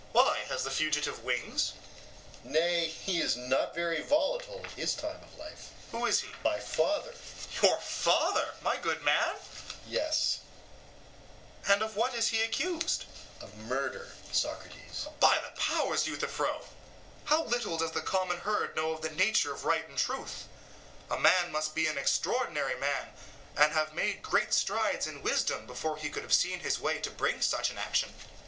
SOCRATES: Why, has the fugitive wings? EUTHYPHRO: Nay, he is not very volatile at his time of life. SOCRATES: Who is he? EUTHYPHRO: My father. SOCRATES: Your father! my good man? EUTHYPHRO: Yes. SOCRATES: And of what is he accused? EUTHYPHRO: Of murder, Socrates. SOCRATES: By the powers, Euthyphro! how little does the common herd know of the nature of right and truth. A man must be an extraordinary man, and have made great strides in wisdom, before he could have seen his way to bring such an action.